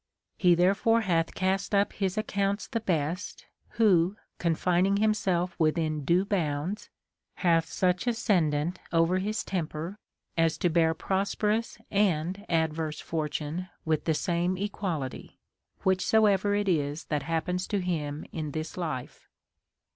CONSOLATION TO APOLLONIUS. 301 He therefore hath cast up his accounts the best, Avho, con fining himself within due bounds, hath such ascendant over his temper, as to bear prosperous and adverse fortune with the same equaUty, \vhichsoever it is that happens to him in this hfe.